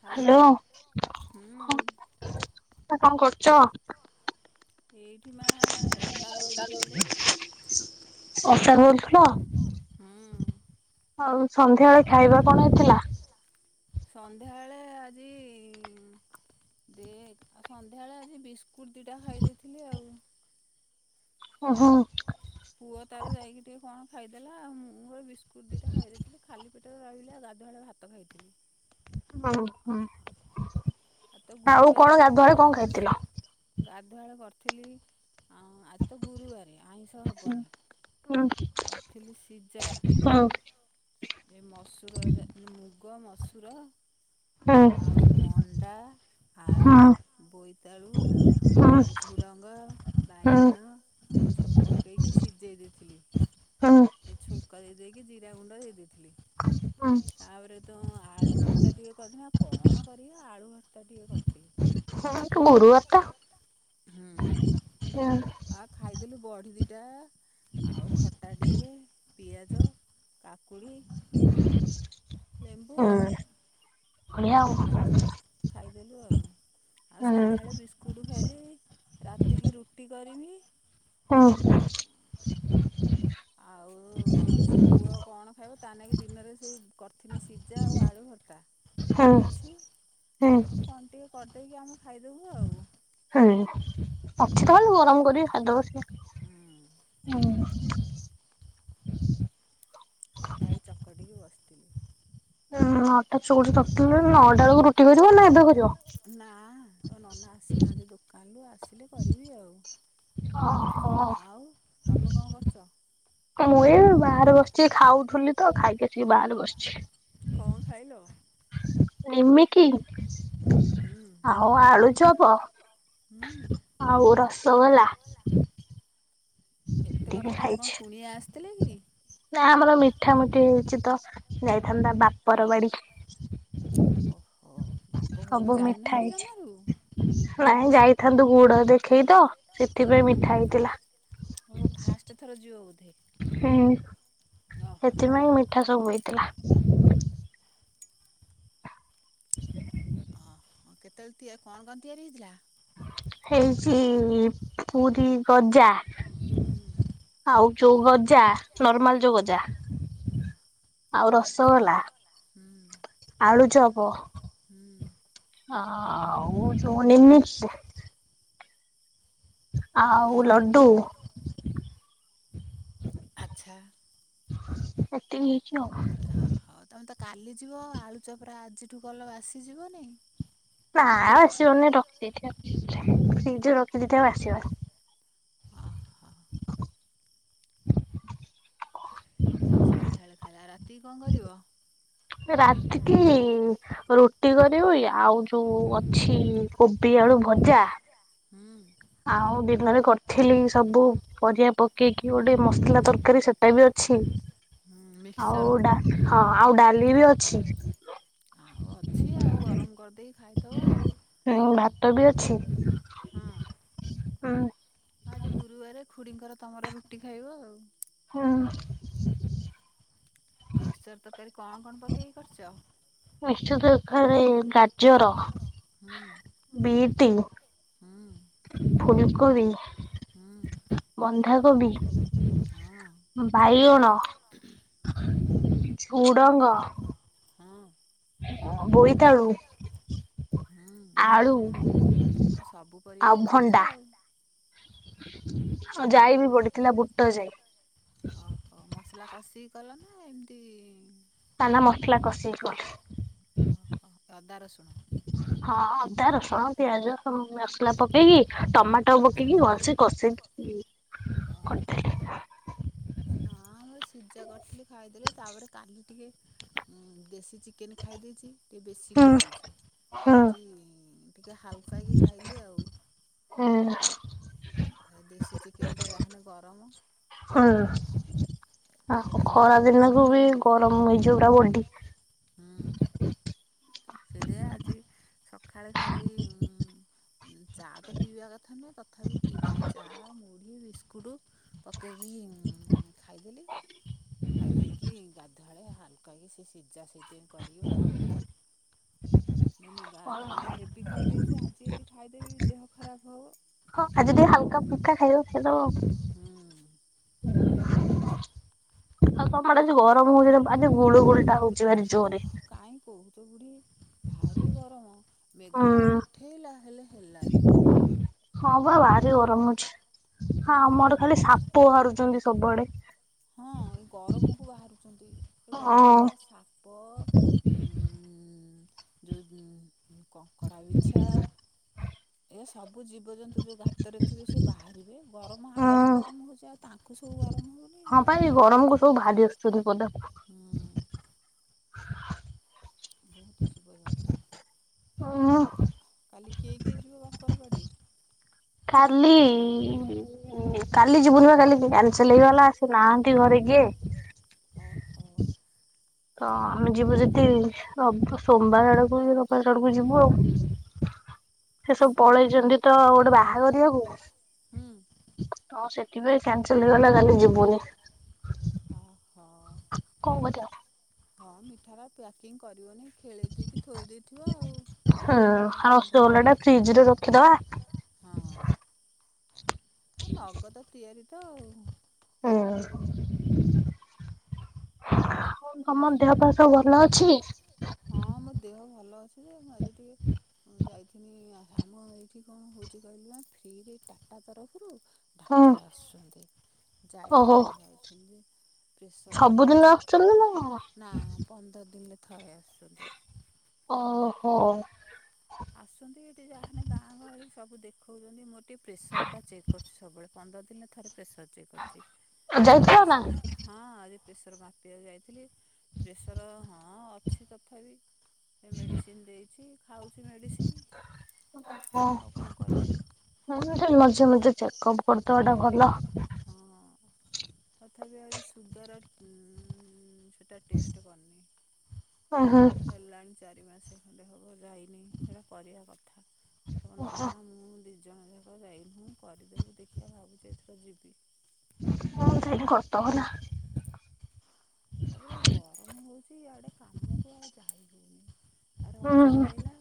Hello ହୁଁ। ତ କଣ କରୁଛ? ଏଇଠି ମା ଅଟା ଦଳୁଥିଲି ଲୋ। ଅଟା ଦଳୁଥିଲ? ଆଉ ସନ୍ଧ୍ୟାବେଳେ ଖାଇବା କଣ ହେଇଥିଲା? ସନ୍ଧ୍ୟାବେଳେ ଆଜି ଦେ ଆଉ ସନ୍ଧ୍ୟାବେଳେ ଆଜି ବିସ୍ ସ୍କୁଟ ଦି ଟା ଖାଇ ଦେଇଥିଲି ଆଉ। ଓହୋ ପୁଅ ତାର ଯାଇକି ଟିକେ କଣ ଖାଇଦେଲା ଆଉ ମୁଁ ବିସ୍କୁଟ ଦିଟା ଖାଇଦେଇଥିଲି ଖାଲି ପେଟରେ ରହିଲେ ଗାଧୁଆ ବେଳେ ଭା ଭାତ ଖାଇଥିଲି। ହୁଁ ହୁଁ ଆଉ କଣ ଗାଧୁଆ କଣ ଖାଇଥିଲ? ଗାଧୁଆଲେ କରିଥିଲି ଆ ଆଜି ତ ଗୁରୁବାର ଆଇସ ହୁଁ ହଁ। କରିଥିଲି ସିଜା ଏଇ ମସୁର ଯା ମୁଗ, ମସୁର ଆଉ ମଣ୍ଡା, ଆଳୁ, ବୋଇତାଳୁ ଝୁଡ଼ଙ୍ଗ, ବାଇଗଣ ସବୁ ପକେଇକି ସିଝେଇ ଦେଇଥିଲି। ସେ ଛୁଙ୍କ ଦେଇଦେଇକି ଜିରା ଗୁଣ୍ଡ ଦେଇଥିଲି। ହଁ। ତାପରେ ତୁ ଆଳୁ ଭର୍ତ୍ତା ଟିକେ କରିଦ ନା କଣ କରିବା ଆଳୁ ଭର୍ତ୍ତା ଟିକେ କରିଦେଲି ଗୁରୁବାର ତ ଆଛା ଆ ଖାଇଦେଲୁ ବଢି ଦିଟା ଆଉ ଖଟା ଟିକେ ପିଆଜ, କାକୁଡ଼ି ଲେମ୍ବୁ ଆଉ ଆ ଖାଇଦେଲୁ ଆଉ ଆଉ ସନ୍ଧ୍ୟାବେଳେ ବିସ୍କୁଟ ଖାଇଲି ରାତିକି ରୁଟି କରିମି ହଁ। ଆଉ ସେ ପୁଅ କଣ ଖାଇବ ତା ଲାଗି ଦିନରେ ସେ କରିଥିଲି ସିଝା ଆଉ ଆଳୁ ଭର୍ତ୍ତା ଅଛି। ଆଉ କଣ ଟିକେ କରିଦେଇକି ଆମେ ଖାଇଦବୁ ଆଉ ହୁଁ ଅଛି ତାହେଲେ ଗରମ କରିକି ଖାଦ୍ୟଦେବ ଟିକେ ହଁ। ଅଟା ଏଇ ଚକଟିକି ବସିଥିଲି। ନଅଟା ଚଉଠି କରିଥିଲି ନଅଟା ବେଳକୁ ରୁଟି କରିବ ନା ଏବେ କରିବ? ନା ତୋ ନନା ଆସିନାହାନ୍ତି ଦୋକାନରୁ ଆସିଲେ କରିବି ଆଉ ଆଉ ତମେ କଣ କରୁଛ? ମୁଁ ଏ ବାହାରେ ବସିଛି ଖାଉଥିଲି ତ ଖାଇକି ଆସିକି ବାହାରେ ବସିଛି। କଣ ଖାଇଲ? ହ ନିମିକି ଆଉ ଆଳୁଚପ୍ ଆଉ ରସଗୋଲା ଏତେ କଥା ତମର କଣ କୁଣିଆ ଆସିଥିଲେ କି? ନା ଆମର ମିଠା ମୁଠି ହେଇଛି ତ ଯାଇଥାନ୍ତା ବାପର ବାଡିକି ଓହୋ ବାପଘରକୁ ଯାଇନୁକି ଜମାରୁ? ନାଇଁ ଯାଇଥାନ୍ତୁ ଗୋଡ ଦେଖେଇ ତ ସେଥିପାଇଁ ମିଠା ହେଇଥିଲା। ଓ ଫାଷ୍ଟ ଥର ଯିବ ବୋଧେ? ହୁଁ ସେଥିପାଇଁ ମିଠା ସବୁ ହେଇଥିଲା। ଅ ହଁ କେତେବେଳେ ତିଆରି କଣ କଣ ତିଆରି ହେଇଥିଲା? ହେଇଛି ପୁରୀ ଗଜା ଆଉ ଯୋଉ ଗଜା ନର୍ମାଲ ଯୋଉ ଗଜା ଆଉ ରସଗୋଲା, ଆଳୁଚପ୍ ହୁଁ। ହଁ ହଉ ଯୋ ନିମିକ୍ପ୍ରେ। ଆଉ ଲଡୁ ଆଚ୍ଛା। ଏଟି କିଛି ହଉନି। ହ ହଉ ତମେ ତ କାଲି ଯିବ ଆଳୁ ଚପ୍ରରାା ଆଜିଠୁ ବାସି ବାସିଯିବନିଇ। ନା ଆଉ ବାସି ବିନି ରଖିଦେଇଥିବା ଫ୍ରିଜରେ ଫ୍ରିଜରେ ରଖିଦେଇଥା ବସିବନି। ହଁ [unintelligible] ଏହା ସନ୍ଧ୍ୟାବେଳେ ଖାଇଆ ରାତି କଣ କରିବ। ରାତିକି ରୁଟି କରିବି ଆଉ ଯୋଉ ଅଛି। କୋବି ଆଳୁ ଭଜା ହୁଁ। ଆଉ ଦିନରେ କରିଥିଲି ସବୁ ପରିବା ପକେଇକି ଗୋଟେ ମସଲା ତରକାରୀ ସେ ଟେ ବି ଅଛି ଆଉ ହଁ ଆଉ ଡାଲି ବି ଅଛି। ଆଉ ଅଛି ଆଉ ଗରମ କରିଦେଇକି ଖାଇଦବ ଆଉ ହଁ। ହୁଁ। ଆଜି ଗୁରୁବାରେ ଖୁଡିଙ୍କର ତମର ରୁଟି ଖାଇବ ଆଉ। ହୁଁ। ମିକ୍ସଚର ତରକାରୀ କଣ କଣ ପକେଇକି କରିଛ ମିକ୍ସଚର ତରକାରି ଗାଜର ବିଟ ହୁଁ। ଫୁଲକୋବି ହୁଁ। ବନ୍ଧାକୋବି, ବାଇଗଣ ଝୁଡ଼ଙ୍ଗ ହଁ। ବୋଇତାଳୁ ଆଳୁ ଆଉ ଭଣ୍ଡା ଆଉ ଯାଇ ବି ପଡିିଥିଲା ବୁଟ ଯାଇ ଓହୋ ମସଲା କଷିକି କଲ ନା ଏମିତି ନାନା ମସଲା କଷିକି କଲି। ଓହୋ ଅଦା ରସୁଣ। ହଁ ଅଦା ରସୁଣ ପିଆଜ ସ ମସଲା ପକେଇକି ଟମାଟୋ ପକେଇକି ଭଲସେ କଷିକି କରିଦେଲି। ହଁ ସିଝା କରିଥିଲି ଖାଇଦେଲେ ତାପରେ କାଲି ଟିକେ ଉ ଦେଶୀ ଚିକେନ୍ ଖାଇ ଦେଇେଇଛି କି ବେଶୀ ଖାଇ ଦେଇେଇଛି ଆଜି ଟିକିେ ହାଲକା ହେକି ଖାଇଲି ଆଉ ହୁଁ। ଆଉ ଦେଶୀ ଚିକେନଟା ଯାହୋନେ ଗରମ ହୁଁ ଆ ଖରା ଦିନକୁ ବି ଗରମ ହେଇଯିବ ପୁରା ବଡ଼ି ଉଁ। ସେଦ ଆଜି ସକାଳେ ଖାଲି ଉ ଚା ତ ପିଇବା କଥା ନୁହେଁ ତଥାପି ପିଇଦେଲି ଚା ମୁଢି ବିସ୍କୁଟ ପକାଇକି ଖାଇଦେଲି। ଖାଇ ଦେଇେଇକି ଗାଧୁଆଳେ ହାଲକା କି ସେ ସିଝା ସିଝି କରିକି ଭାତ ଖାଇଲି ମୁଁ ଗଇନି କାଲି ହେବି ଖାଇଦେଇଛି ଆଜି ଟି ଖାଇଦେ ବି ଦେହ ଖରାପ ହେବ। ହଁ ଆଜି ଟିକେ ହାଲକା ଫୁଲକା ଖାଇବ ସେ ତ ହୁଁ। ଆଉ [unintelligible] ଆଜି ଗରମ ହଉଚି ଆଜି ଗୁଳୁ ଗୁଳଟା ହଉଚି ଓହୋ କାଇଁ କହୁଛ ବୁଢି। ଭାରି ଗରମ ମେଘଟା ଉଠେଇଲା ହେଲେ ହେଲାନି। ହଁ ବା ଭାରି ଗରମ ଅଛି ହଁ ଆମର ଖାଲି ସାପ ବାହାରୁଚନ୍ତି ସବୁଆଡେ ହଁ ଏ ଗରମକୁ ବାହାରୁଛନ୍ତି ଏ ଗରମକୁ ବା ସା ପ ଉ ଯଉ କଙ୍କଡ଼ା ବିିଛା। ଏ ସବୁ ଜୀବଜନ୍ତୁ ଯୋଉ ଗାତରେ ଥିବେ ସେ ବାହାରିବେ ଗରମ ଆମକୁ ଗରମ ହୁଚି ଆ ତାଙ୍କୁ ସବୁ ଗରମ ହୋଉନେଇନା। ପାଇଁ ଗରମ କୁ ସବୁ ବାହାରି ଆସୁଛନ୍ତି ପଦାକୁ। ହୁଁ। ବହୁତ ଜୀବଜନ୍ତୁ କାଲି କିଏ କିଏ ଯିବ ବାପର ବାଡ଼ି। କାଲି ଇ ଇ କାଲି ଯିବୁନି ବା କାଲି କାନ୍ସସେଲ୍ ହେଇଗଲା ସେ ନାହାଁ [unintelligible] ଘରେ କିଏ। ଓହୋ। ତ ଆମେ ଯିବୁ ଜଦି ର ସୋମବାର ଆଡକୁ ରବିବାର ଆଡକୁ ଯିବୁ ଆଉ। ସେ ସବୁ ପଳେଇଚନ୍ତି ତ ଗୋଟେ ବାହାଘରିଆକୁ। ହୁଁ। ଅ ସେଥିପାଇଁ କ୍ୟାନ୍ସେଲ୍ ହେଇଗଲା କାଲି ଯିବୁନି। ଅହୋ। [unintelligible] ହଁ ମିଠା ରା ପ୍ୟାକିଂ କରିବନି। ଖେଳେଇ ଦେଇକି ଥୋଇ ଦେଇଥିବ ଆଉ ଆଉ କଣ କରବ। ହଁ। ହଁ ନଗଦ ତିଆରି ତ ଆଉ। ହୁଁ ତମ ଦେହ ପାହା ସ ତ ଭଲ ଅଛି। ହଁ ମୋ ଦେହ ଭଲ ଅଛି ଯେ ମୁଁ ଆଜି ଟିକେ ମୁଁ ଯାଇଥିନି ଆମ ଏଇଠି କଣ ହଉଚି କହିଲିନା ଫ୍ରିରେ ଟାଟା ତରଫରୁ ଡାକ୍ତର ଆସୁଚନ୍ତି। ଯାଇଥିଲି ଯାଇଥିଲି ଯେ ପ୍ରେସର ଟା ଟିକେ ଚେକ୍ ନା ପନ୍ଦର ଦିନିରେ ଥରେ ଆସୁଚନ୍ତି। ଓହୋ। ଆସୁଚନ୍ତି ଏଠି ଯାହାହେନେଗାଁ ଗହଳି ସବୁ ଦେଖଉଚନ୍ତି ମୋର ଟିକେ ପ୍ରେସର ଟା ଚେକ୍ କରୁଛି ସବୁବେଳେ ପନ୍ଦର ଦିନିରେ ଥରେ। ପ୍ରେସର ଚେକ୍ କରୁଚି ସେ ପ୍ରେସର ହଁ ଆଜି ପ୍ରେସର ମାପିବାକୁ ଯାଇଥିଲି ପ୍ରେସର ହଁ ଅଛି ତଥାପି ଏ ମେଡିସିନ ଦେଇଚି ଖାଉଚି ମେଡିସିନି। ହଁ ମଝିରେ ମଝିରେ ଚେକପ କରିଦବାଟା ଭଲ। ହଁ ତଥାପି ଆହୁରି ସୁଗାର ଉଁ ଉଁ ସେଟା ଟେଷ୍ଟେ କରିନେଇଁ। [unintelligible] ହେଲାଣି ଚାରି ମାସେ ଖଣ୍ଡେ ହବ ଯାଇ--' ‌ହେରା କରିବା କଥା ତମ ନନା ମୁଁ ଦି ଜଣ ଯାକ ଯାଇନୁଁ କରିଦେବୁ ଦେଖିଆ ଭାବୁଚି ଏଥର ଯିବି। [unintelligible] ତାପରେ ଗରମ ହଉଚି ଇଆଡେ କାମକୁ ଆଉ ଯାଇ ହଉନି। ରଜ ଆଇଲା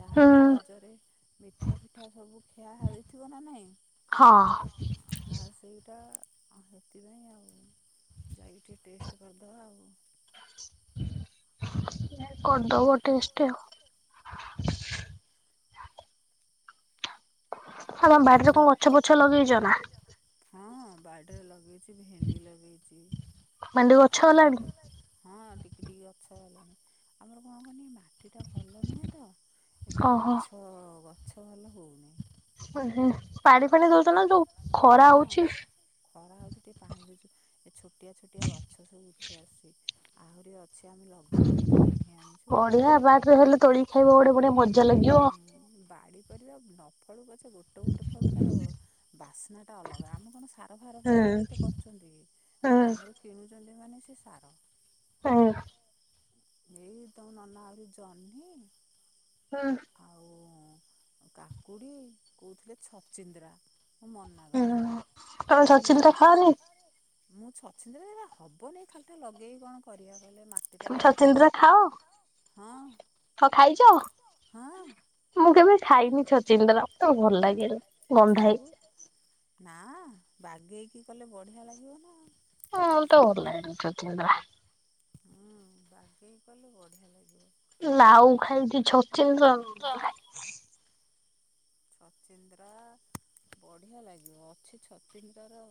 ଯାହାହେଲେ ରଜରେ ମିଠା ଫିଠା ସବୁ ଖିଆ ହେଇ ଥିବ ନା ନାଇଁ ହଁ। ଆ ସେଇଟା ହେଥିପାଇଁ ଆଉ ଯାଇ ଟିକେ ଟେଷ୍ଟ [unintelligible] [unintelligible] କରିଦବ ଟେଷ୍ଟ ଆଉ। ଆଉ ତମ ବାଡି ସବୁ ଗଛ ପଛ ଲଗେଇଛ ନା। ହଁ ବାଟରେ ଲଗେଇଛି ଭେଣ୍ଡି ଲଗେଇଛି ଆ ହଁ ଟିକି ଟିକିଟିକି ଗଛ ହେଲାଣି ଆମର କଣ କରନି ମାଟିଟା ଭଲ ନୁହେଁ ତ ଏତେ ଗଛ ଗଛ ଭଲ ହଉନି। ପାଣି ପାଣି ଦଉଛ ନା ଦଉନ? ଖରା ହଉଛି ଖରା ହଉଛି ଟିକେ ପାଣି ଦିଉଛୁ, ଛୋଟିଆ ଛୋଟିଆ ଗଛ ସବୁ ଉଠି ଆସୁଛି ଆହୁରି ଅଦି ସିଏ ଆମେ ଲଗେଇନୁ ଜହ୍ନି ଆଣିଛୁ [unintelligible] ହୁଁ ବାଡି ନଳୁ ପଛ ଗୋଟେ, ଗୋଟେ ଫଳୁ। ତାର ବାସ୍ନା ଟା ଅଲଗା ଆମେ କଣ ସଟ ଭାର ପକେଇକି କେତେ କରୁଛନ୍ତି। ବାହାରୁ କିଣୁଛନ୍ତି ମାନେ ସେ ସାର [inaudible] ଏଇ ତମ ନନା ଆହୁରି ଜହନି ହଁ ଆଉ କାକୁଡ଼ି, କହୁଥିଲେ ଛଚିନ୍ଦ୍ରା ମୁଁ ମନା କଲି, ମୁ ନା ମୁଁ ଛଚନ୍ଦା ହବନି ଖାଲିଟା ଲଗେଇକି କଣ କରିବା, କିଲଲେ ମାଟିଟା ବାଗ ଚନ୍ଦୁରା ଖାଅ [unintelligible] ହ ଖାଇଛ? ମୁଁ କେବେ ଖାଇନି। ଛ ଚିଟା ର ଭଲ ଲାଗେ ବନ୍ଧା ହେଇ ନା ବାଗେଇକି କଲେ, ବଢିଆ ଲାଗିବ ନା। [inaudible] ହଁ ବାଗେଇ କଲେ ବଢିଆ ଲାଗିବ। ନା ଆଉ ଖାଇଛି। [unintelligible] ସଚିନ୍ଦ୍ରା ବଢ଼ିଆ ଲାଗିବ ଅଛି ଛଚିନ୍ଦ୍ରା ର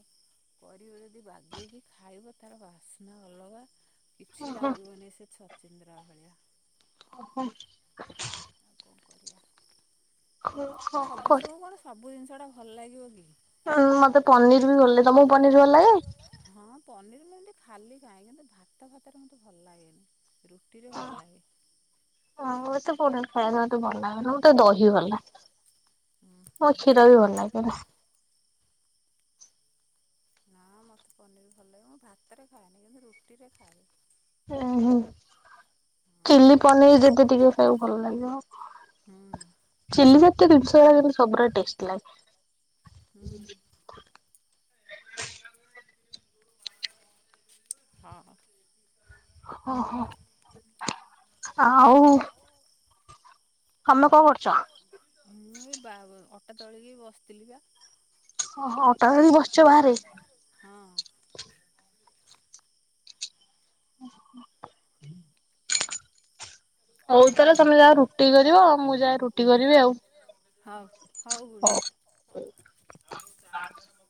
ପରିବ ଯଦି ବାଗେଇକି ଖାଇବ, ତାର ବାସ୍ନା ଅଲଗା। କିଛି ଲାଗିବନି ସେ ଛତ ଚିନ୍ଦ୍ରା ଭଳିଆ [unintelligible] [inaudible] [unintelligible] ସମସ୍ତଙ୍କୁ କଣ ସବୁ ଜିନିଷ ଟା ଭଲ ଲାଗିବ କି? ହୁଁ ମତେ ପନିର ବି ଗଲେ ତମକୁ ପନିର ଗଲା ହଁ ପନିର ମୁଁ ଏମିତି ଖାଲି କାହିଁ କିନ୍ତୁ ଭାତ ଭାତରେ ମୋତେ ଭଲ ଲାଗେନି। ରୁଟିରେ ଭଲ ଲାଗେ। ହଁ ଏତେ ପନିର ଖାଇବାଦବା ତୁ ଭଲ ଲାଗିଲୁ। ତ ଦହି ଭଲ ଲାଗେ, ଆଉ କ୍ଷୀର ବି ଭଲ ଲାଗେ। ନା ମୋତେ ପନିର ଭଲ ଲାଗେ, ମୁଁ ଭାତରେ ଖାଏନି, କିନ୍ତୁ ରୁଟିରେ ଖାଏ। ଓହୋ ଚିଲି ପନିର ଯେଦି ଟିକେ ଖାଇବାକୁ ଭଲ ଲାଗିବ। ହଁ ଚିଲି ଜାତ ଜିନିଷ ସବୁୁର ଟେଷ୍ଟ ଲାଗେ। [unintelligible] ହଁ ଓହୋ ଆଉ। ମୁଁ ଏ ବା ଅଟା ତଳିକି ବସିଥିଲି ବା। ଓ ହଁ ତ ବସିଛ ବାହାରେ ହଁ [inaudible] ହଉ ତାହେଲେ, ତମେ ଯାହା ରୁଟି କରିବ। ଆଉ ମୁଁ ଯାହା ରୁଟି କରିବି ଆଉ। ହଉ ହଉ ଭଣି। [unintelligible]